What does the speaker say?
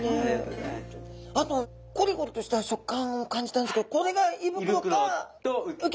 あとコリコリとした食感を感じたんですけどこれが胃袋と鰾。